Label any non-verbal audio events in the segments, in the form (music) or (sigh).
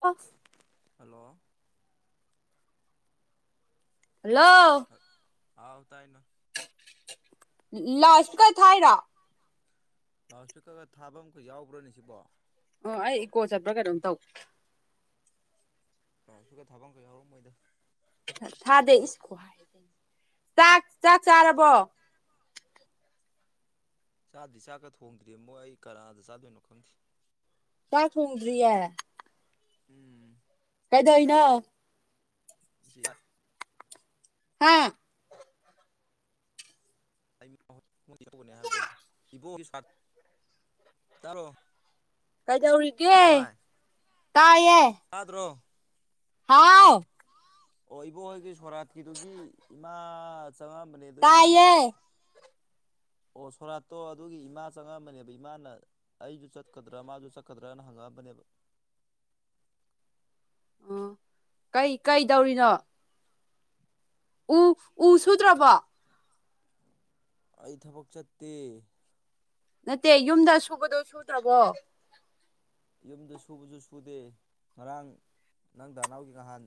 Hello hello hello ꯥꯑꯎ ꯇꯥꯏꯅꯣ ꯂꯥꯎ ꯏꯁꯄꯤꯀꯔ ꯊꯥꯏꯔꫭ ꯂꯥꯎ ꯏꯁꯄꯤꯀꯔꯒ ꯊꯥꯕꯝ ꯌꯥꯎꯕ꯭ꯔꯅꯦ ꯁꯤꯕꯣ ꯑꯣ ꯑꯩ ꯏꯀꯣ ꯆꯠꯄ꯭ꯔꯥ ꯀꯩꯅꯣꯝ ꯇꯧ ꯂꯥꯎꯗꯁꯄꯤꯀꯔ ꯊꯥꯕꯝꯒ ꯌꯥꯎꯔꯝ ꯃꯣꯏꯗ ꯊꯥꯗꯦ ꯏꯁꯀꯣ ꯆꯥꯛ ꯆꯥꯛ ꯆꯥꯔꯕꯣ ꯆꯥꯗꯤ ꯆꯥꯛꯒ ꯊꯣꯡꯗ꯭ꯔꯤ ꯑꯃꯣ ꯑꯩ ꯀꯅꯥꯗ ꯆꯥꯗꯣꯏꯅꯣ ꯈꯪꯗꯦ ꯆꯥꯛ ꯊꯣꯡꯗꯔꯤꯌꯦ ꯎꯝ ꯀꯩꯗꯧꯔꯤꯅꯣ (unintelligible) ꯍꯥꯥ ꯑꯩ ꯌꯧꯕꯅꯦ ꯍꯥꯏꯕꯗꯣ ꯑꯗꯨ ꯏꯕ (unintelligible) ꯇꯥꯕꯣꯔ ꯀꯩꯗꯧꯔꯤꯒꯦ ꯇꯥꯏꯌꯦ ꯇꯥꯗ꯭ꯔꯣ ꯍꯥꯎ ꯑꯣ ꯏꯕꯣꯍꯣꯏꯒꯤ ꯁꯣꯔꯥꯠꯀꯤꯗꯨꯒꯤ ꯏꯃꯥ ꯆꯪꯉꯛꯑꯝꯕꯅꯦ ꯑꯗꯨ ꯏꯃꯥꯅ ꯇꯥꯏꯌꯦ ꯑꯣ ꯁꯣꯔꯥꯠꯇꯣ ꯑꯗꯨꯒꯤ ꯏꯃꯥ ꯆꯉꯛꯑꯝꯕꯅꯦꯕ ꯏꯃꯥꯅ ꯑꯩꯁꯨ ꯆꯠꯀꯗ꯭ꯔꯥ ꯃꯥꯁꯨ ꯆꯠꯀꯗ꯭ꯔꯥꯅ ꯍꯪꯉꯛꯑꯝꯕꯅꯦꯕ ꯑꯣ ꯀꯩ ꯀꯩꯗꯧꯔꯤꯅꯣ ꯎ ꯎ ꯁꯨꯗ꯭ꯔꯕꯣ ꯑꯩ ꯊꯕꯛ ꯆꯠꯇꯦ ꯅꯠꯇꯦ ꯌꯨꯝꯗ ꯁꯨꯕꯗꯣ ꯁꯨꯗ꯭ꯔꯕꯣ ꯌꯨꯝꯗ ꯁꯨꯕꯁꯨ ꯁꯨꯗꯦ ꯉꯔꯥꯡ ꯅꯪꯗ ꯅꯅꯥꯎꯒꯤ ꯅꯍꯥꯟ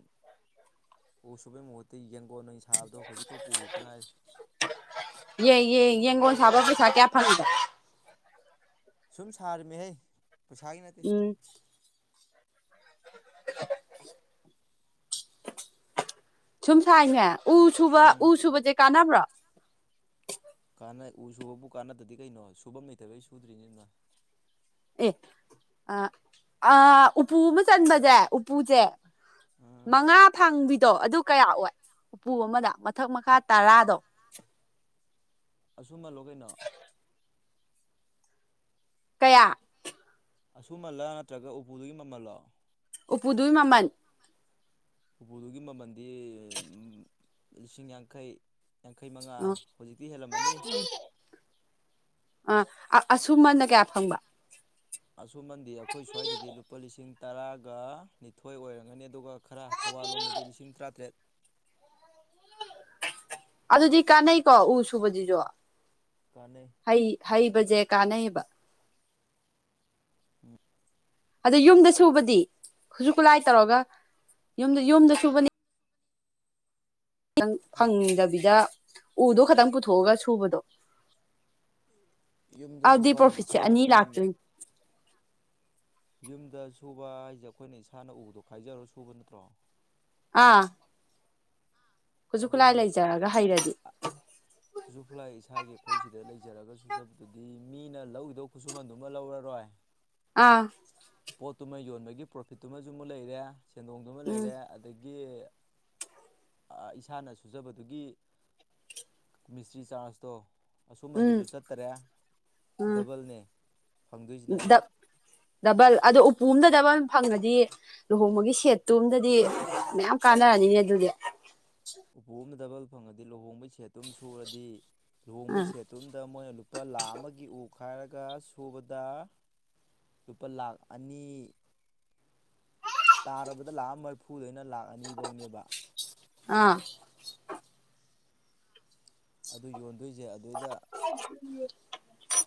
ꯎ ꯁꯨꯕꯩ ꯃꯍꯨꯠꯇ ꯌꯦꯡꯒꯣꯟꯑꯣꯏꯅ ꯁꯥꯕꯗꯣ ꯍꯧꯖꯤꯛꯈꯛ ꯄꯨꯈꯤꯕꯇ ꯉꯥꯏꯔꯤ ꯌꯦ ꯌꯦ ꯌꯦꯡꯒꯣꯟ ꯁꯥꯕ ꯄꯩꯁꯥ ꯀꯌꯥ ꯐꯪꯉꯤꯕ꯫ ꯁꯨꯝ ꯁꯥꯔꯤꯃꯦꯍꯦ ꯄꯩꯁꯥꯒꯤ ꯅꯠꯇ ꯎꯝ ꯁꯨꯝꯁꯥꯏꯅꯦ ꯎ ꯁꯨꯕ ꯎꯝ ꯎ ꯁꯨꯕꯁꯦ ꯀꯥꯟꯅꯕ꯭ꯔꯣ ꯀꯥꯟꯅꯩ ꯎ ꯁꯨꯕꯕꯨ ꯀꯥꯟꯅꯗ꯭ꯔꯗꯤ ꯀꯩꯅꯣ ꯁꯨꯐꯝ ꯂꯩꯇꯕꯩ ꯁꯨꯗ꯭ꯔꯤꯅꯤ ꯑꯗꯨꯅ ꯑꯦ ꯑ ꯎꯄꯨ ꯑꯃ ꯆꯟꯕꯁꯦ ꯎꯄꯨꯁꯦ ꯎꯝ ꯃꯉꯥ ꯊꯥꯡꯕꯤꯗꯣ ꯑꯗꯨ ꯀꯌꯥ ꯑꯣꯏ ꯎꯄꯨ ꯑꯃꯗ ꯃꯊꯛ ꯃꯈꯥ ꯇꯔꯥꯗꯣ (inaudible) ꯑꯁꯨꯝꯃꯟꯂꯣ ꯀꯩꯅꯣ ꯀꯌꯥ ꯑꯁꯨꯨꯝꯃꯜꯂꯥ ꯅꯠꯇ꯭ꯔꯒ ꯎꯄꯨꯗꯨꯒꯤ ꯃꯃꯜꯂꯣ ꯎꯄꯨꯗꯨꯒꯤ ꯃꯃꯜ ꯎꯄꯨꯗꯨꯒꯤ ꯃꯃꯜꯗꯤ ꯂꯤꯁꯤꯡ ꯌꯥꯡꯈꯩ ꯌꯥꯡꯈꯩ ꯃꯉꯥ ꯍꯧꯖꯤꯛꯇꯤ ꯍꯦꯜꯂꯝꯃꯅꯤ ꯑꯥ ꯑꯁꯨꯨꯝꯕꯟꯅ ꯀꯌꯥ ꯐꯪꯕ ꯑꯁꯨꯨꯝꯃꯟꯗꯤ ꯑꯩꯈꯣꯏ ꯁ꯭ꯋꯥꯏꯗꯗꯤ ꯂꯨꯄꯥ ꯂꯤꯁꯤꯡ ꯇꯔꯥꯒ ꯅꯤꯊꯣꯏ ꯑꯣꯏꯔꯝꯒꯅꯤ ꯑꯗꯨꯒ ꯈꯔ ꯊꯕꯥꯜꯂꯣꯝꯗꯗꯤ ꯂꯤꯁꯤꯡ ꯇꯔꯥꯇꯔꯦꯠ ꯑꯗꯨꯗꯤ ꯀꯥꯟꯅꯩꯀꯣ ꯎ ꯁꯨꯕꯕꯁꯤꯁꯨ ꯀꯥꯟꯅꯩ ꯍꯩ ꯍꯩꯕꯁꯦ ꯀꯥꯟꯅꯩꯕ ꯎꯝ ꯑꯗꯣ ꯌꯨꯝꯗ ꯁꯨꯕꯗꯤ ꯈꯨꯠꯁꯨ ꯈꯨꯠꯂꯥꯏ ꯇꯧꯔꯒ ꯌꯨꯝꯗ ꯌꯨꯝꯗ ꯁꯨꯕꯅꯤ ꯈꯤꯇꯪ ꯌꯨꯝ ꯐꯪꯗꯕꯤꯗ ꯎꯗꯣ ꯈꯇꯪ ꯄꯨꯊꯣꯛꯑꯒ ꯁꯨꯕꯗꯣ ꯌꯨꯝꯗ ꯑꯗꯤ ꯁꯨꯕ ꯄꯔꯣ ꯍꯥꯏꯁꯦ ꯐꯤꯠꯁꯦ ꯏꯁꯥꯅ ꯑꯅꯤ ꯑꯩꯈꯣꯏꯅ ꯂꯥꯛꯇꯨꯏ ꯌꯨꯝꯗ ꯁꯨꯕ ꯍꯥꯏꯁꯦ ꯑꯩꯈꯣꯏꯅ ꯏꯁꯥꯅ ꯎꯗꯣ ꯈꯥꯏꯖꯔꯣ ꯁꯨꯕ ꯅꯠꯇ꯭ꯔꯣ ꯑꯥ ꯈꯨꯠꯁꯨ ꯈꯨꯠꯂꯥꯏ ꯑꯗꯨꯗꯤ ꯂꯩꯖꯔꯒ ꯍꯩꯔꯗꯤ ꯑ ꯈꯨꯠꯁꯨ ꯈꯨꯠꯂꯥꯏ ꯏꯁꯥꯒꯤ ꯑꯩꯈꯣꯏ ꯁꯤꯗ ꯂꯩꯖꯔꯒ ꯁꯨꯖꯕꯗꯨꯗꯤ ꯃꯤꯅ ꯂꯧꯈꯤꯗꯧ ꯈꯨꯠꯁꯨꯃꯟꯗꯨꯃ ꯂꯧꯔꯔꯣꯏ (unintelligible) ꯑꯥ ꯄꯣꯠꯇꯨꯃ ꯌꯣꯟꯕꯒꯤ ꯄ꯭ꯔꯣꯐꯤꯠꯇꯨꯃꯁꯨ ꯃꯁꯨ ꯂꯩꯔꯦ ꯁꯦꯟꯗꯣꯡꯗꯨꯃꯁꯨ ꯎꯝ ꯂꯩꯔꯦ ꯑꯗꯒꯤ ꯏꯁꯥꯅ ꯁꯨꯖꯕꯗꯨꯒꯤ ꯃꯤꯁꯇ꯭ꯔꯤ ꯆꯥꯔꯖꯇꯣ ꯎꯝ ꯈꯨꯁꯨꯃꯟꯗꯨꯁꯨ ꯆꯠꯇꯔꯦ ꯎꯝ ꯗꯕꯜꯅꯦ ꯐꯪꯗꯣꯏꯁꯤꯅ ꯑꯩꯅ ꯗꯕꯜ ꯑꯗꯣ ꯎꯄꯨ ꯑ ꯑꯃꯗ ꯗꯕꯜ ꯐꯪꯉꯗꯤ ꯂꯨꯍꯣꯡꯕꯒꯤ ꯁꯦꯠꯇꯣꯝꯗꯗꯤ ꯃꯌꯥꯝ ꯀꯥꯟꯅꯔꯅꯤꯅꯦ ꯑꯗꯨꯗꯤ ꯎꯄꯨ ꯑꯃꯗ ꯗꯕꯜ ꯐꯪꯉꯗꯤ ꯂꯨꯍꯣꯡꯕꯩ ꯁꯦꯠꯇꯨ ꯑꯃ ꯁꯨꯔꯗꯤ ꯂꯨꯍꯣꯡꯕꯩ ꯑꯥ ꯁꯦꯠ ꯇꯝꯗ ꯃꯣꯏꯅ ꯂꯨꯄꯥ ꯂꯥꯈ ꯑꯃꯒꯤ ꯎ ꯈꯥꯏꯔꯒ ꯁꯨꯕꯗ ꯂꯨꯄꯥ ꯂꯥꯛ ꯑꯅꯤ ꯇꯥꯔꯕꯗ ꯂꯥꯛꯑ ꯑꯃ ꯃꯔꯐꯨꯗꯩꯅ ꯂꯥꯛ ꯑꯅꯤꯐꯧꯅꯦꯕ ꯑꯥ ꯑꯗꯨ ꯌꯣꯟꯗꯣꯏꯁꯦ ꯑꯗꯨꯏꯗ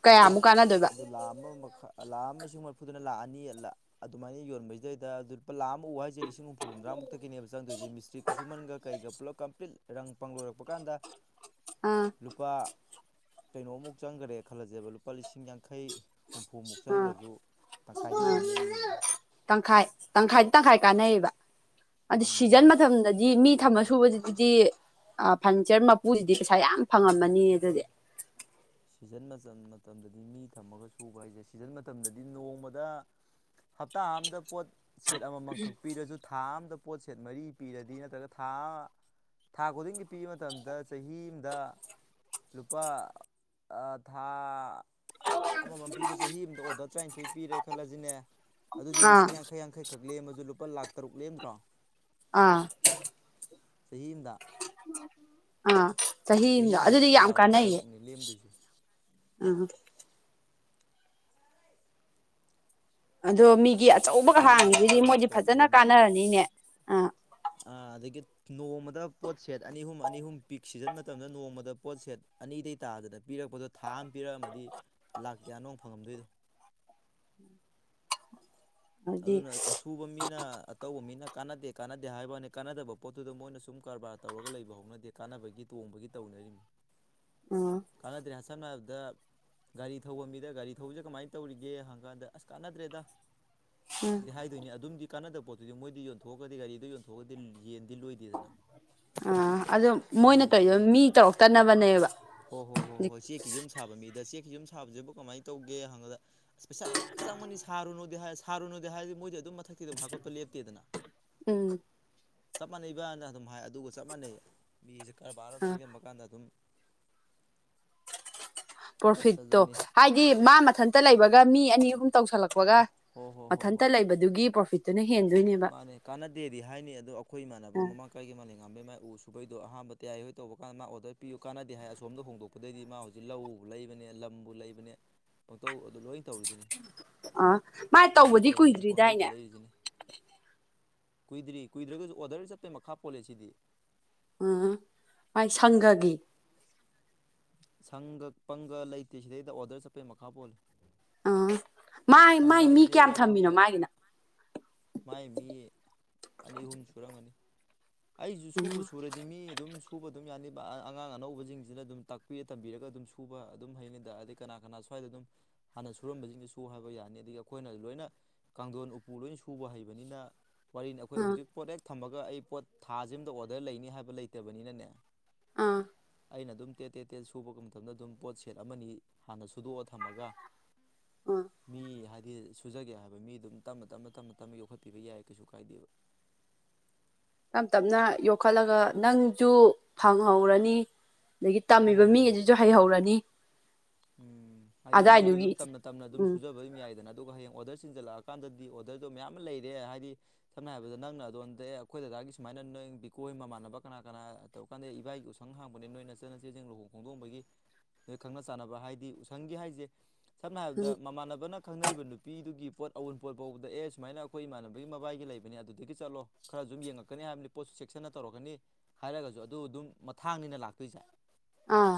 ꯀꯌꯥꯃꯨꯛ ꯀꯥꯟꯅꯗꯣꯏꯕ ꯑꯗꯨ ꯂꯥ ꯑꯃ ꯃꯈ ꯂꯥ ꯑꯃꯁꯨ ꯃꯔꯐꯨꯗꯨꯅ ꯂꯥꯛꯑꯅꯤ ꯑꯜꯂ ꯑꯗꯨꯃꯥꯏꯅ ꯌꯣꯟꯕꯁꯤꯗꯩꯗ ꯂꯨꯄꯥ ꯂꯥꯛ ꯑꯃ ꯎꯕ ꯍꯥꯏꯁꯦ ꯂꯤꯁꯤꯡ ꯍꯨꯝꯐꯨ ꯍꯨꯝꯗ꯭ꯔꯥꯃꯨꯛꯇꯒꯤꯅꯦꯕ ꯆꯪꯗꯣꯏꯁꯦ ꯃꯤꯁꯇ꯭ꯔꯤ ꯈꯨꯁꯨꯃꯟꯒ ꯀꯩꯒ ꯄꯨꯂꯞ ꯀꯝꯄ꯭ꯂꯤꯠ ꯔꯪ ꯄꯪꯂꯣꯏꯔꯛꯄ ꯀꯥꯟꯗ ꯑꯥ ꯂꯨꯄꯥ ꯀꯩꯅꯣꯃꯨꯛ ꯆꯪꯈꯔꯦ ꯈꯜꯂꯁꯦꯕ ꯂꯨꯄꯥ ꯂꯤꯁꯤꯡ ꯌꯥꯡꯈꯩ ꯍꯨꯝꯐꯨꯃꯨꯛ ꯆꯪꯈ꯭ꯔꯁꯨ ꯎ ꯇꯪꯈꯥꯏꯗꯤ ꯑꯗꯨꯝ ꯂꯦꯝꯃꯤꯅꯤꯗꯅ ꯇꯪꯈꯥꯏ ꯇꯪꯈꯥꯏꯗꯤ ꯇꯪꯈꯥꯏ ꯀꯥꯟꯅꯩꯌꯦꯕ ꯑꯗꯨ ꯎꯝ ꯁꯤꯖꯟ ꯃꯇꯝꯗꯗꯤ ꯃꯤ ꯊꯝꯃ ꯊꯨꯕꯗꯗꯗꯤ ꯐꯔꯅꯤꯆꯔ ꯃꯄꯨꯁꯤꯗꯤ ꯄꯩꯁꯥ ꯌꯥꯝ ꯐꯪꯉꯝꯃꯅꯤ ꯑꯗꯨꯗꯤ ꯁꯤꯖꯟ ꯃꯇꯝꯗꯗꯤ ꯃꯤ ꯊꯝꯃꯒ ꯁꯨꯕ ꯍꯥꯏꯁꯦ ꯁꯤꯖꯟ ꯃꯇꯝꯗꯗꯤ ꯅꯣꯡꯃꯗ ꯍꯞꯇꯥ ꯑꯝꯗ ꯄꯣꯠ ꯁꯦꯠ ꯑꯃꯃꯝꯈꯛ ꯄꯤꯔꯁꯨ ꯊꯥ ꯑꯝꯗ ꯄꯣꯠꯁꯦꯠ ꯃꯔꯤ ꯄꯤꯔꯗꯤ ꯅꯠꯇ꯭ꯔꯒ ꯊꯥ ꯑꯃ ꯊꯥ ꯈꯨꯗꯤꯡꯒꯤ ꯄꯤꯕ ꯃꯇꯝꯗ ꯆꯍꯤ ꯑꯃꯗ ꯂꯨꯄꯥ ꯊꯥ ꯑꯃꯃꯝ ꯄꯤꯕ ꯆꯍꯤ ꯑꯃꯗ ꯑꯣꯗꯔ ꯇꯔꯥꯅꯤꯊꯣꯏ ꯄꯤꯔꯦ ꯈꯜꯂꯁꯤꯅꯦ ꯑꯗꯨꯗꯤ ꯑꯥ ꯂꯤꯁꯤꯡ ꯌꯥꯡꯈꯩ ꯌꯥꯡꯈꯩꯈꯛ ꯂꯦꯝꯃꯁꯨ ꯂꯨꯄꯥ ꯂꯥꯛ ꯇꯔꯨꯛ ꯂꯦꯝꯗ꯭ꯔꯣ ꯑꯥ ꯆꯍꯤꯑꯝꯗ ꯑ ꯆꯍꯤ ꯆꯍꯤ ꯑꯃꯗ ꯑꯗꯨꯗꯤ ꯂꯨꯄꯥ ꯌꯥꯝ ꯂꯥꯛ ꯇꯔꯨꯛꯅꯤ ꯂꯦꯝꯗꯣꯏꯁꯦ ꯑ ꯑꯗꯣ ꯃꯤꯒꯤ ꯑꯆꯧꯕꯒ ꯆꯍꯤ ꯑꯃꯗ ꯂꯨꯄꯥ ꯍꯥꯡꯗꯨꯗꯤ ꯂꯥꯛ ꯃꯣꯏꯗꯤ ꯇꯔꯨꯛ ꯐꯖꯅ ꯀꯥꯟꯅꯔꯅꯤꯅꯦ ꯑ ꯑꯥ ꯑꯗꯒꯤ ꯅꯣꯡꯃꯗ ꯄꯣꯠꯁꯦꯠ ꯑꯅꯤ ꯑꯍꯨꯝ ꯑꯅꯤ ꯑꯍꯨꯝ ꯄꯤꯛ ꯁꯤꯖꯟ ꯃꯇꯝꯗ ꯅꯣꯡꯃꯗ ꯄꯣꯠꯁꯦꯠ ꯑꯅꯤꯗ ꯇꯥꯗꯅ ꯄꯤꯔꯛꯄꯗꯣ ꯊꯥ ꯑꯃ ꯄꯤꯔꯛꯑꯝꯃꯗꯤ ꯂꯥꯛ ꯀꯌꯥꯅꯣ ꯐꯪꯉꯝꯗꯣꯏꯅꯣ ꯑꯗꯨꯗꯤ ꯑꯗꯨꯅ ꯁꯨꯕ ꯃꯤꯅ ꯑꯇꯧꯕ ꯃꯤꯅ ꯀꯥꯟꯅꯗꯦ ꯀꯥꯟꯅꯗꯦ ꯍꯥꯏꯕꯅꯤ ꯀꯥꯟꯅꯗꯕ ꯄꯣꯠꯇꯨꯗ ꯃꯣꯏꯅ ꯁꯨꯝ ꯀꯔꯕꯥꯔ ꯇꯧꯔꯒ ꯂꯩꯕ ꯍꯧꯅꯗꯦ ꯀꯥꯟꯅꯕꯒꯤ ꯇꯣꯡꯕꯒꯤ ꯇꯧꯅꯔꯤꯃꯤ ꯎꯝ ꯀꯥꯟꯅꯗ꯭ꯔꯦ ꯁꯝꯅ ꯍꯥꯏꯔꯕꯗ ꯒꯥꯔꯤ ꯊꯧꯕ ꯃꯤꯗ ꯒꯥꯔꯤ ꯊꯧꯕꯁꯦ ꯀꯃꯥꯏꯅ ꯇꯧꯔꯤꯒꯦ ꯍꯪ ꯀꯥꯟꯗ ꯑꯁ ꯀꯥꯟꯅꯗ꯭ꯔꯦꯗ ꯍꯥꯏꯗꯣꯏꯅꯤ ꯑꯗꯨꯝꯒꯤ ꯀꯥꯟꯅꯗꯕ ꯄꯣꯠꯇꯨꯗꯤ ꯃꯣꯏꯗꯤ ꯌꯣꯟꯊꯣꯛꯑꯒꯗꯤ ꯒꯥꯔꯤꯗꯣ ꯌꯣꯟꯊꯣꯛꯑꯒꯗꯤ ꯌꯦꯟꯗꯤ ꯂꯣꯏ ꯑ ꯑꯗꯨ ꯆꯞ ꯃꯣꯏꯅ ꯀꯩꯗ ꯃꯤ ꯇꯧꯔꯛꯇꯅꯕꯅꯦꯕ ꯍꯣꯏ ꯍꯣꯏ ꯍꯣꯏ ꯍꯣꯏ ꯆꯦꯛꯀꯤ ꯌꯨꯝ ꯁꯥꯕ ꯃꯤꯗ ꯆꯦꯛꯀꯤ ꯌꯨꯝ ꯁꯥꯕꯁꯤꯕꯨ ꯀꯃꯥꯏꯅ ꯇꯧꯒꯦ ꯍꯪꯉꯗ ꯑꯁ ꯄꯩꯁꯥ ꯃꯌꯥꯝ ꯆꯪꯃꯅꯤ ꯁꯥꯔꯨꯅꯨꯗꯤ ꯍꯥꯏ ꯁꯥꯔꯨꯅꯨꯗꯤ ꯍꯥꯏꯔꯗꯤ ꯃꯣꯏꯗꯤ ꯑꯗꯨꯝ ꯃꯊꯛꯀꯤ ꯑꯗꯨꯝ ꯍꯥꯞꯀꯠꯄ ꯂꯦꯞꯇꯦꯗꯅ ꯎꯝ ꯆꯞ ꯃꯥꯟꯅꯩꯕꯥꯅ ꯑꯗꯨꯝ ꯍꯥꯏ ꯑꯗꯨꯒ ꯆꯞ ꯃꯥꯟꯅꯩ ꯃꯤꯖꯦ ꯀꯔꯕꯥꯔ ꯑꯃ ꯑꯥ ꯆꯦꯖꯟꯕ ꯀꯥꯟꯗ ꯑꯗꯨꯝ ꯄ꯭ꯔꯣꯐꯤꯠꯇꯣ ꯑꯗꯨꯅꯤ ꯍꯥꯏꯗꯤ ꯃꯥ ꯃꯊꯟꯇ ꯂꯩꯕꯒ ꯃꯤ ꯑꯅꯤ ꯑꯍꯨꯝ ꯇꯧꯁꯜꯂꯛꯄ ꯊꯣꯛꯄꯒ ꯍꯣ ꯍꯣ ꯍꯣ ꯃꯊꯟꯇ ꯍꯣ ꯂꯩꯕꯗꯨꯒꯤ ꯄ꯭ꯔꯣꯐꯤꯠꯇꯨꯅ ꯍꯦꯟꯗꯣꯏꯅꯦ ꯃꯥꯅꯦ ꯀꯥꯟꯅꯗꯦꯗꯤ ꯍꯥꯏꯅꯤ ꯑꯗꯣ ꯑꯩꯈꯣꯏ ꯏꯃꯥꯟꯅꯕ ꯑꯃ ꯀꯔꯤꯒꯤ ꯃ ꯌꯥꯝꯥꯕ ꯃꯥꯏ ꯎꯨꯕꯩꯗꯣ ꯑꯍꯥꯟꯕ ꯇꯌꯥ ꯍꯣꯏ ꯇꯧꯕ ꯀꯥꯟ ꯃꯥꯔ ꯄꯤꯌ ꯀꯥꯟꯅꯗꯦ ꯍꯥꯏ ꯑꯁꯣꯗ ꯍꯣꯡꯗꯣꯛꯀ ꯗꯩꯗꯤ ꯃꯥ ꯍꯧꯖꯤꯛ ꯂꯧ ꯂꯩꯕꯅꯦ ꯂꯝꯕꯨ ꯂꯩꯕꯅꯦ ꯄꯪꯇꯧ ꯑꯗꯨ ꯂꯣꯏ ꯇꯧꯔꯤꯗꯨꯅꯤ ꯑꯥ ꯃꯥ ꯑꯗꯨꯗꯤꯇ ꯇꯧꯕꯗꯤ ꯑꯩꯈꯣꯏꯁꯨ ꯄꯣꯂꯩꯇ ꯀꯨꯏꯗ꯭ꯔꯤꯗꯥꯏꯅꯦ ꯂꯩꯔꯤꯗꯨꯅꯦ ꯀꯨꯏꯗ꯭ ꯀꯨꯏꯗ꯭ꯔꯒꯁꯨ ꯑꯣꯔꯗꯔ ꯆꯠꯄꯩ ꯃꯈꯥ ꯄꯣꯜꯂꯦ ꯁꯤꯗꯤ ꯎ ꯃꯥꯏ ꯁꯪꯒꯒꯤ ꯁꯪꯒ ꯄꯪꯒ ꯂꯩꯇꯦ ꯁꯤꯗꯩꯗ ꯑꯣꯗꯔ ꯆꯠꯄꯒꯤ ꯃꯈꯥ ꯄꯣꯜꯂꯤ ꯑꯥ ꯃꯥꯏ ꯃꯥꯏ ꯃꯤ ꯍꯥꯏꯁꯦ ꯀꯌꯥꯝ ꯋꯥꯔꯤꯅꯤ ꯊꯝꯃꯤꯅꯣ ꯃꯥꯒꯤꯅ ꯃꯥꯏ ꯃꯤ ꯑꯅꯤ ꯑꯍꯨꯝ ꯁꯨꯔꯝꯒꯅꯤ ꯑꯩꯁꯨ ꯁꯨꯕ ꯁꯨꯔꯗꯤ ꯃꯤ ꯑꯗꯨꯝ ꯁꯨꯕ ꯑꯗꯨꯝ ꯌꯥꯅꯤꯕ ꯑꯉꯥꯡ ꯑꯅꯧꯕꯁꯤꯡꯁꯤꯅ ꯑꯗꯨꯝ ꯇꯥꯛꯄꯤꯔ ꯇꯝꯕꯤꯔꯒ ꯑꯗꯨꯝ ꯁꯨ ꯐꯨꯕ ꯑꯗꯨꯝ ꯍꯩꯅꯤꯗ ꯑꯗꯩ ꯀꯅꯥ ꯀꯅꯥ ꯁ꯭ꯋꯥꯏꯗ ꯑꯗꯨꯝ ꯍꯥꯟꯅ ꯁꯨꯔꯝꯕꯁꯤꯡꯁꯤ ꯁꯨꯨ ꯍꯥꯏꯕ ꯌꯥꯅꯤ ꯑꯗꯨ ꯒꯤ ꯑꯩꯈꯣꯏꯅꯁꯨ ꯂꯣꯏꯅ ꯀꯥꯡꯊꯣꯟ ꯎꯄꯨ ꯂꯣꯏꯅ ꯁꯨꯕ ꯍꯩꯕꯅꯤꯅ ꯋꯥꯔꯤꯅꯤ ꯑꯩꯈꯣꯏ ꯑꯥ ꯍꯧꯖꯤꯛ ꯄꯣꯠ ꯍꯦꯛ ꯊꯝꯃꯒ ꯑꯩ ꯄꯣꯠ ꯊꯥꯥꯁꯤ ꯑꯃꯗ ꯑꯣꯗꯔ ꯂꯩꯅꯤ ꯍꯥꯏꯕ ꯂꯩꯇꯕꯅꯤꯅꯅꯦ ꯑꯥ ꯑꯩꯅ ꯑꯗꯨꯝ ꯇꯦꯠ ꯇꯦꯠ ꯇꯦꯠ ꯁꯨꯕ ꯃꯇꯝꯗ ꯑꯗꯨꯝ ꯄꯣꯠ ꯁꯦꯠ ꯑꯃꯅꯤ ꯍꯥꯟꯅ ꯁꯨꯗꯣꯛꯑ ꯊꯝꯃꯒ ꯑꯣ ꯃꯤ ꯍꯥꯏꯗꯤ ꯁꯨꯖꯒꯦ ꯍꯥꯏꯕ ꯃꯤ ꯑꯗꯨꯝ ꯇꯞꯅ ꯇꯞ ꯇ ꯇ ꯌꯣꯛꯈꯠꯄꯤꯕ ꯌꯥꯏ ꯀꯩꯁꯨ ꯀꯥꯏꯗꯦꯕ ꯇꯞ ꯇꯞꯅ ꯌꯣꯛꯈꯠꯂꯒ ꯅꯪꯁꯨ ꯐꯪꯍꯧꯔꯅꯤ ꯑꯗꯒꯤ ꯑꯣ ꯇꯝꯃꯤꯕ ꯍꯣ ꯃꯤ ꯍꯣ ꯍꯣ ꯒꯩꯗꯨꯁꯨ ꯍꯩꯍꯧꯔꯅꯤ ꯎꯝ ꯍꯥꯏꯗꯤ ꯃꯣꯏꯁꯨ ꯑꯗꯥꯏꯗꯨꯒꯤ ꯑꯗꯨꯝ ꯇꯝꯅ ꯇꯝꯅ ꯑꯗꯨꯝ ꯎꯝ ꯁꯨꯖꯕ ꯑꯗꯨꯝ ꯌꯥꯏꯗꯅ ꯑꯗꯨꯒ ꯍꯌꯦꯡ ꯑꯣꯔꯗꯔ ꯆꯤꯟꯖꯜꯂꯛꯑꯀꯥꯟꯗꯗꯤ ꯑꯣꯗꯔꯗꯣ ꯃꯌꯥꯝ ꯑꯃ ꯂꯩꯔꯦ ꯍꯥꯏꯗꯤ ꯁꯝꯅ ꯍꯥꯏꯔꯕꯗ ꯅꯪꯅ ꯑꯗꯣꯝꯗ ꯑꯩꯈꯣꯏ ꯗꯗꯥꯒꯤ ꯁꯨꯃꯥꯏꯅ ꯅꯪ ꯕꯤꯀꯣꯏ ꯃꯃꯥꯟꯅꯕ ꯀꯅꯥ ꯀꯅꯥ ꯇꯧꯔ ꯀꯥꯟꯗ ꯏꯏꯒꯤ ꯎꯁꯪ ꯍꯥꯡꯕꯅꯦ ꯅꯣꯏ ꯅꯆꯟ ꯅꯆꯦ ꯁꯤꯡ ꯂꯨꯍꯣꯡ ꯈꯣꯡꯗꯣꯡꯕꯒꯤ ꯅꯣꯏ ꯈꯪꯅꯁꯤꯟ ꯆꯥꯟꯅꯕ ꯍꯥꯏꯗꯤ ꯎꯁꯪꯒꯤ ꯍꯥꯏꯁꯦ ꯁꯝꯅ ꯍꯥꯏꯔꯕꯗ ꯎꯝ ꯃꯃꯥꯟꯅꯕꯅ ꯈꯪꯅꯔꯤꯕ ꯅꯨꯄꯤꯗꯨꯒꯤ ꯄꯣꯠ ꯑꯋꯨꯟꯄꯣꯠ ꯐꯥꯎꯕꯗ ꯑꯦ ꯁꯨꯃꯥꯏꯅ ꯑꯩꯈꯣꯏ ꯏꯃꯥꯟꯅꯕꯒꯤ ꯃꯕꯥꯏꯒꯤ ꯂꯩꯕꯅꯦ ꯑꯗꯨꯗꯒꯤ ꯆꯠꯂꯣ ꯈꯔꯖꯨꯝ ꯌꯦꯡꯉꯛꯀꯅꯤ ꯍꯥꯏꯕꯅꯤ ꯄꯣꯠ ꯆꯦꯛꯁꯤꯟꯅ ꯇꯧꯔꯛꯀꯅꯤ ꯍꯥꯏꯔꯒꯁꯨ ꯑꯗꯨ ꯑꯗꯨꯝ ꯃꯊꯥꯡꯅꯤꯅ ꯂꯥꯛꯇꯣꯏꯁꯦ ꯑꯥ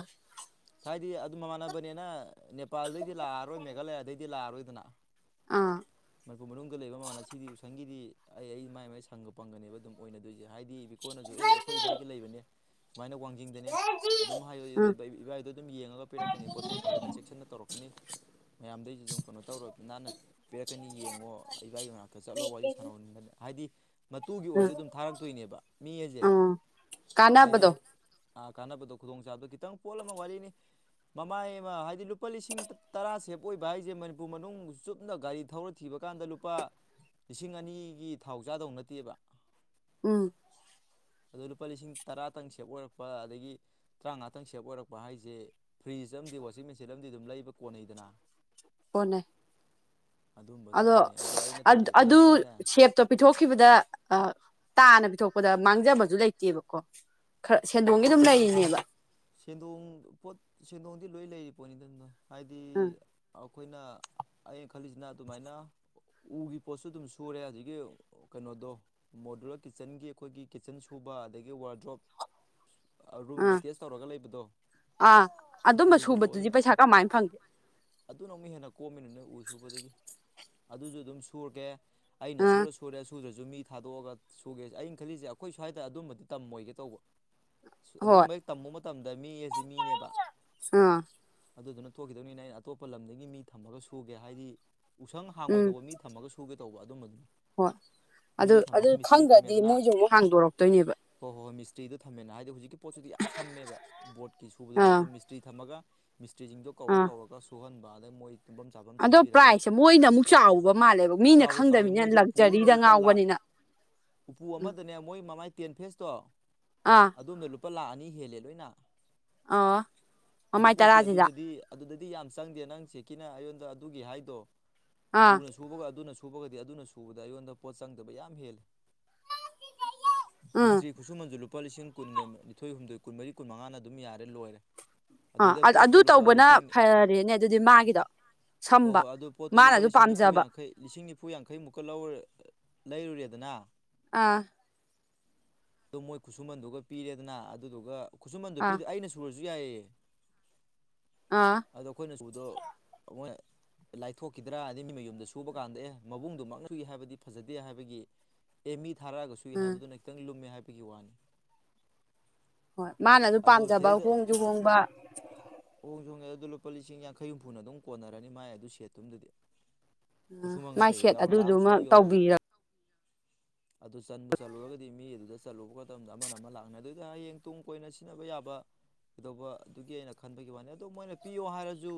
ꯁꯥꯏꯗꯤ ꯑꯠ ꯃꯃꯥꯟꯅꯕꯅꯦꯅ ꯅꯦꯄꯥꯜꯗꯩꯗꯤ ꯂꯥꯛꯑꯔꯣꯏ ꯃꯦꯒꯂꯌꯥꯗꯩꯗꯤ ꯂꯥꯛꯑꯔꯣꯏꯗꯅ ꯑꯥ ꯃꯅꯤꯄꯨꯔ ꯃꯅꯨꯡꯗ ꯂꯩꯕ ꯃꯃꯥꯟꯅ ꯁꯤꯗꯤ ꯎꯁꯪꯒꯤꯗꯤ ꯑꯩ ꯑꯩ ꯃꯥꯏ ꯃꯥꯏ ꯁꯪꯒ ꯄꯪꯒꯅꯦꯕ ꯑꯗꯨꯝ ꯑꯣꯏꯅꯗꯣꯏꯁꯦ ꯍꯥꯏꯗꯤ ꯕꯤꯀꯣꯅꯁꯨ ꯑꯦ ꯑꯩꯈꯣꯏ ꯏꯚꯥꯏꯒꯤ ꯂꯩꯕꯅꯦ ꯁꯨꯃꯥꯏꯅ ꯋꯥꯡꯖꯤꯡꯗꯅꯦ ꯑꯗꯨꯝ ꯍꯥꯏ ꯑꯥ ꯢꯕ ꯢꯕ ꯏꯕꯥꯏꯗꯣ ꯑꯗꯨꯝ ꯌꯦꯡꯉꯒ ꯄꯤꯔꯛ ꯄꯣꯠꯆꯩ ꯐꯖꯅ ꯆꯦꯛꯁꯤꯟꯅ ꯇꯧꯔꯛꯀꯅꯤ ꯃꯌꯥꯝꯗꯩꯁꯨ ꯑꯗꯨꯝ ꯀꯩꯅꯣ ꯇꯧꯔꯣꯕ ꯅꯥꯟꯅ ꯄꯤꯔꯛꯀꯅꯤ ꯌꯦꯡꯉꯣ ꯏꯕꯥꯏꯒꯤ ꯃꯅꯥꯛꯇ ꯆꯠꯂꯣ ꯋꯥꯔꯤ ꯁꯥꯟꯅꯧ ꯅꯟꯗ ꯍꯥꯏꯗꯤ ꯃꯇꯨꯒꯤ ꯑꯥ ꯑꯣꯏꯔꯁꯨ ꯑꯗꯨꯝ ꯊꯥꯔꯛꯇꯣꯏꯅꯦꯕ ꯃꯤ ꯑꯢꯁꯦ ꯎꯝ ꯍꯥꯏꯗꯤ ꯀꯥꯟꯅꯕꯗꯣ ꯀꯥꯟꯅꯕꯗꯣ ꯈꯨꯗꯣꯡꯆꯥꯕꯗꯣ ꯈꯤꯇꯪ ꯄꯣꯠ ꯑꯃ ꯋꯥꯔꯤꯅꯤ ꯃꯃꯥꯏ ꯑꯃ ꯍꯥꯏꯗꯤ ꯂꯨꯄꯥ ꯂꯤꯁꯤꯡ ꯇꯔꯥ ꯁꯦꯞ ꯑꯣꯏꯕ ꯍꯥꯏꯁꯦ ꯃꯅꯤꯄꯨꯔ ꯃꯅꯨꯡ ꯆꯨꯞꯅ ꯒꯥꯔꯤ ꯊꯧꯔ ꯊꯤꯕ ꯀꯥꯟꯗ ꯂꯨꯄꯥ ꯂꯤꯁꯤꯡ ꯑꯅꯤꯒꯤ ꯊꯥꯎ ꯆꯥꯗꯧ ꯅꯠꯇꯦꯕ ꯎꯝ ꯑꯗꯣ ꯂꯨꯄꯥ ꯂꯤꯁꯤꯡ ꯇꯔꯥꯇꯪ ꯁꯦꯞ ꯑꯣꯏꯔꯛꯄ ꯑꯗꯒꯤ ꯇꯔꯥꯉꯥꯇꯪ ꯁꯦꯞ ꯑꯣꯏꯔꯛꯄ ꯍꯥꯏꯖꯦ ꯐ꯭ꯔꯤꯖ ꯑꯃꯗꯤ ꯋꯥꯁꯤꯡ ꯃꯦꯆꯤꯟ ꯑꯃꯗꯤ ꯑꯗꯨꯝ ꯂꯩꯕ ꯀꯣꯟꯅꯩꯗꯅ ꯍꯣꯅꯦ ꯑꯗꯨꯝꯕ ꯆꯞ ꯑꯗꯣ ꯃꯥꯟꯅꯩ ꯑꯩꯅ ꯇꯧꯒꯦ ꯑꯗꯨ ꯈꯜꯂꯤꯁꯤꯅꯅꯦ ꯁꯦꯞꯇꯣ ꯄꯤꯊꯣꯛꯈꯤꯕꯗ ꯇꯥꯅ ꯄꯤꯊꯣꯛꯄꯗ ꯃꯥꯡꯖꯕꯁꯨ ꯂꯩꯇꯦꯕꯀꯣ ꯈꯔ ꯁꯦꯟꯗꯣꯡꯒꯤ ꯑꯗꯨꯝ ꯂꯩꯔꯤꯅꯦꯕ ꯁꯦꯟꯗꯣꯡ ꯄꯣꯠ ꯁꯦꯟꯗꯣꯡꯗꯤ ꯂꯣꯏ ꯂꯩꯔꯤ ꯄꯣꯠꯅꯤꯗꯅ ꯍꯥꯏꯗꯤ ꯎꯝ ꯑꯩꯈꯣꯏꯅ ꯑꯩꯅ ꯈꯜꯂꯤꯁꯤꯅ ꯑꯗꯨꯃꯥꯏꯅ ꯎꯒꯤ ꯄꯣꯠꯁꯨ ꯑꯗꯨꯝ ꯁꯨꯔꯦ ꯍꯧꯖꯤꯛꯀꯤ ꯑꯣ ꯀꯩꯅꯣꯗꯣ ꯃꯣꯗꯨꯂꯔ ꯀꯤꯠꯆꯟꯒꯤ ꯑꯩꯈꯣꯏꯒꯤ ꯀꯤꯠꯆꯟ ꯁꯨꯕ ꯑꯗꯒꯤ ꯋꯥꯔꯗ꯭ꯔꯣꯞ ꯔꯨꯝ ꯑꯥ ꯑꯇꯦꯁ ꯇꯧꯔꯒ ꯂꯩꯕꯗꯣ ꯑꯥ ꯑꯗꯨꯝꯕ ꯑꯗꯨꯁꯨ ꯁꯨꯕꯗꯨꯗꯤ ꯂꯣꯏꯅ ꯄꯩꯁꯥ ꯀꯃꯥꯏꯅ ꯐꯪꯒꯦ ꯑꯗꯨꯅ ꯍꯦꯟꯅ ꯀꯣꯝꯃꯤꯅ ꯅꯣꯏ ꯎ ꯁꯨꯕꯗꯒꯤ ꯑꯗꯨꯁꯨ ꯑꯗꯨꯝ ꯁꯨꯔꯒꯦ ꯑꯩꯅ ꯑꯥ ꯁꯨꯔ ꯁꯨꯔꯦ ꯁꯨꯗꯔꯁꯨ ꯃꯤ ꯊꯥꯗꯣꯛꯑꯒ ꯁꯨꯒꯦ ꯑꯩꯅ ꯈꯜꯂꯤꯁꯦ ꯑꯩꯈꯣꯏ ꯁ꯭ꯋꯥꯏꯗ ꯑꯗꯨꯝꯕꯗꯤ ꯇꯝꯃꯣꯏꯒꯦ ꯇꯧꯕ ꯍꯣꯏ ꯑꯗꯨꯝꯕꯩ ꯇꯝꯃꯨꯕ ꯃꯇꯝꯗ ꯃꯤ ꯑꯁꯤ ꯃꯤꯅꯦꯕ ꯑꯥ ꯑꯗꯨꯗꯨꯅ ꯊꯣꯛꯈꯤꯗꯧꯅꯤꯅ ꯑꯩꯅ ꯑꯇꯣꯞꯄ ꯂꯝꯗꯒꯤ ꯃꯤ ꯊꯝꯃꯒ ꯁꯨꯒꯦ ꯍꯥꯏꯗꯤ ꯎꯁꯪ ꯎꯝ ꯍꯥꯡꯉꯣꯏꯗꯧꯕ ꯃꯤ ꯊꯝꯃꯒ ꯁꯨꯒꯦ ꯇꯧꯕ ꯑꯗꯨꯝꯕꯗꯨꯅ ꯍꯣꯏ ꯑꯗꯨ ꯃꯤ ꯑꯗꯨ ꯊꯝꯃꯒ ꯃꯤꯁꯇ꯭ꯔꯤ ꯈꯪꯗ꯭ꯔꯗꯤ ꯊꯝꯃꯦꯗꯅ ꯃꯣꯏꯒꯤ ꯑꯃꯨꯛ ꯍꯥꯡꯗꯣꯔꯛꯇꯣꯏꯅꯦꯕ ꯍꯣꯏ ꯍꯣꯏ ꯍꯣꯏ ꯃꯤꯇ꯭ꯔꯤꯗꯨ ꯊꯝꯃꯦꯅ ꯍꯥꯏꯗꯤ ꯍꯧꯖꯤꯛ ꯄꯣꯠ ꯁꯝꯃꯦꯕ ꯕꯣꯠꯀꯤ ꯁꯨꯕꯗꯗꯤ ꯑꯥ ꯑꯗꯨꯝ ꯃꯤꯁꯇ꯭ꯔꯤ ꯊꯝꯃꯒ ꯃꯤꯁꯇ꯭ꯔꯤꯁꯤꯡꯗꯣ ꯀꯧꯔ ꯑꯥ ꯀꯧꯔꯒ ꯁꯨꯍꯟꯕꯗꯦ ꯃꯣꯏ ꯇꯨꯝꯐꯝ ꯆꯥꯐꯝ ꯑꯗꯣ ꯁꯦꯝꯕꯤꯔꯒ ꯄ꯭ꯔꯥꯏꯖꯁꯦ ꯃꯣꯏꯅ ꯑꯃꯨꯛ ꯆꯥꯎꯕ ꯃꯥꯜꯂꯦꯕ ꯃꯤꯅ ꯆꯥꯎꯋꯦ ꯆꯥꯎꯋꯦ ꯈꯪꯗꯕꯅꯤꯅ ꯃꯣꯏꯗꯤ ꯎꯄꯨ ꯑꯝꯗ ꯂꯛꯖꯔꯤꯗ ꯂꯨꯄꯥ ꯂꯥꯛ ꯉꯥꯎꯕꯅꯤꯅ ꯎꯄꯨ ꯑꯃꯗꯅꯦ ꯃꯣꯏ ꯃꯃꯥꯏ ꯇꯦꯟ ꯐꯦꯁꯇꯣ ꯑꯥ ꯑꯗꯨꯝꯗ ꯂꯨꯄꯥ ꯂꯥꯛ ꯑꯅꯤ ꯍꯦꯜꯂꯦ ꯂꯣꯏꯅ ꯑꯥ ꯑꯗꯨ ꯃꯃꯥꯏ ꯄꯣꯠꯇꯤ ꯇꯔꯥꯁꯤꯗ ꯑꯗꯨꯗꯗꯤ ꯑꯗꯨꯗꯗꯤ ꯌꯥꯝ ꯆꯪꯗꯦ ꯅꯪ ꯁꯦꯀꯤꯅ ꯑꯩꯉꯣꯟꯗ ꯑꯗꯨꯒꯤ ꯍꯥꯏꯗꯣ ꯑꯥ ꯎꯅ ꯁꯨꯕꯒ ꯑꯗꯨꯅ ꯁꯨꯕꯒꯗꯤ ꯑꯗꯨꯅ ꯁꯨꯕꯗ ꯑꯩꯉꯣꯟꯗ ꯄꯣꯠ ꯆꯪꯗꯕ ꯌꯥꯝ ꯍꯦꯜꯂꯤ ꯎꯝ ꯃꯤꯁꯇ꯭ꯔꯤ ꯈꯨꯠꯁꯨꯃꯟꯖꯨ ꯂꯨꯄꯥ ꯂꯤꯁꯤꯡ ꯀꯨꯟꯒ ꯅꯤꯊꯣꯏ ꯍꯨꯝꯗꯣꯏ ꯀꯨꯟꯃꯔꯤ ꯀꯨꯟꯃꯉꯥꯅ ꯑꯗꯨꯝ ꯌꯥꯔꯦ ꯂꯣꯏꯔꯦ ꯑꯗꯨꯏꯗ ꯑ ꯑꯗꯨ ꯄꯣꯠꯇꯣ ꯂꯨꯄꯥ ꯇꯧꯕꯅ ꯂꯤꯁꯤꯡ ꯐꯔꯦꯅꯦ ꯑꯗꯨꯗꯤ ꯃꯥꯒꯤꯗꯣ ꯍꯣꯏ ꯁꯝꯕ ꯍꯣꯏ ꯑꯗꯨ ꯄꯣꯠꯇꯣ ꯂꯨꯄꯥ ꯃꯥꯅꯁꯨ ꯂꯤꯁꯤꯡ ꯅꯤꯐꯨ ꯄꯥꯝꯖꯕ ꯌꯥꯡꯈꯩ ꯂꯤꯁꯤꯡ ꯅꯤꯐꯨ ꯌꯥꯡꯈꯩꯃꯨꯛꯀ ꯂꯧꯔ ꯂꯩꯔꯨꯔꯦꯗꯅ ꯑꯥ ꯑꯗꯨ ꯃꯣꯏ ꯈꯨꯠꯁꯨꯃꯟꯗꯨꯒ ꯄꯤꯔꯦꯗꯅ ꯑꯗꯨꯗꯨꯒ ꯈꯨꯠꯁꯨꯃꯟꯗꯨ ꯑꯥ ꯄꯤꯗ ꯑꯩꯅ ꯁꯨꯨꯔꯁꯨ ꯌꯥꯏꯌꯦ ꯑꯥ ꯑꯗꯣ ꯑꯩꯈꯣꯏꯅ ꯁꯨꯨꯗꯣ ꯃꯣꯏ ꯂꯥꯏꯊꯣꯛꯈꯤꯗ꯭ꯔꯥ ꯑꯅꯤ ꯃꯤ ꯃꯌꯨꯝꯗ ꯁꯨꯕ ꯀꯥꯟꯗ ꯑꯦ ꯃꯕꯨꯡꯗꯨꯃꯛꯅ ꯁꯨꯏ ꯍꯥꯏꯕꯗꯤ ꯐꯖꯗꯦ ꯍꯥꯏꯕꯒꯤ ꯑꯦ ꯃꯤ ꯊꯥꯔꯛꯑꯒ ꯁꯨꯏ ꯑꯥ ꯍꯥꯏꯕꯗꯨꯅ ꯈꯤꯇꯪ ꯂꯨꯝꯃꯦ ꯍꯥꯏꯕꯒꯤ ꯋꯥꯅꯤ ꯍꯣꯏ ꯃꯥꯅꯁꯨ ꯑꯗꯣ ꯄꯥꯝꯖꯕ ꯍꯣꯡꯁꯨ ꯍꯣꯡꯕ ꯍꯣꯡ ꯍꫭꯡꯉꯦ ꯑꯗꯨ ꯂꯨꯄꯥ ꯂꯤꯁꯤꯡ ꯌꯥꯡꯈꯩ ꯍꯨꯝꯐꯨꯅ ꯑꯗꯨꯝ ꯀꯣꯟꯅꯔꯅꯤ ꯃꯥꯏ ꯑꯗꯨ ꯁꯦꯠꯇꯨꯝꯗꯗꯤ ꯀꯨꯠꯁꯨꯃꯡꯒ ꯃꯥꯏ ꯀꯩꯒ ꯁꯦꯠ ꯌꯥꯎꯔ ꯂꯥꯛꯑꯝ ꯑꯗꯨꯗꯨꯃ ꯁꯨꯡꯌꯧ ꯌꯧꯔꯣꯏ ꯇꯧꯕꯤꯔ ꯑꯗꯨ ꯆꯟꯕꯨ ꯆꯠꯂꯨꯔꯒꯗꯤ ꯃꯤ ꯑꯗꯨꯗ ꯆꯠꯂꯨꯕ ꯃꯇꯝꯗ ꯑꯃꯅ ꯑꯃ ꯂꯥꯛꯅ ꯑꯗꯨ ꯍꯌꯦꯡ ꯇꯨꯡ ꯀꯣꯏꯅ ꯁꯤꯖꯤꯟꯅꯕ ꯌꯥꯕ ꯀꯩꯗꯧꯕ ꯑꯗꯨꯒꯤ ꯑꯩꯅ ꯈꯟꯕꯒꯤ ꯋꯥꯅꯤ ꯑꯗꯣ ꯃꯣꯏꯅ ꯄꯤꯌꯣ ꯍꯥꯏꯔꯁꯨ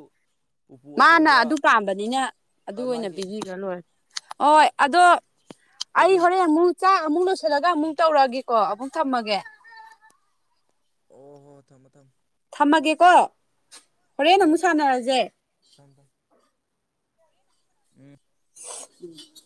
ꯎꯄꯨ ꯃꯥꯅ ꯑꯆꯧꯕ ꯑꯗꯨ ꯄꯥꯝꯕꯅꯤꯅ ꯑꯗꯨ ꯑꯣꯏꯅ ꯃꯥꯒꯤ ꯄꯤꯕꯤꯈ꯭ꯔ ꯂꯣꯏꯔꯦ ꯍꯣꯏ ꯑꯗꯣ ꯑꯩ ꯑꯗꯨ ꯍꯣꯔꯦꯟ ꯑꯃꯨꯛ ꯆꯥꯛ ꯑꯃꯨꯛ ꯂꯣꯏꯁꯤꯜꯂꯒ ꯑꯃꯨꯛ ꯇꯧꯔꯛꯑꯒꯦꯀꯣ ꯑꯃꯨꯛ ꯊꯝꯃꯒꯦ ꯑꯣ ꯍꯣ ꯊꯝꯃꫭ ꯊꯝꯃꫭ ꯊꯝꯃꯒꯦꯀꯣ ꯍꯣꯔꯦꯟ ꯑꯃꯨꯛ ꯁꯥꯟꯅꯔꯖꯦ ꯗꯝ ꯗꯝ ꯎꯝ ꯎꯝ (unintelligible)